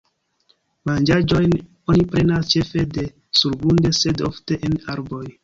Manĝaĵojn oni prenas ĉefe de surgrunde sed ofte en arboj.